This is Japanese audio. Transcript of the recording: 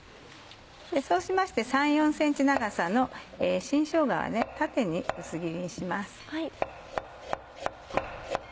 そうしまして３４ｃｍ長さの新しょうがは縦に薄切りにします。